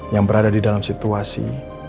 yang berada di dalam situasi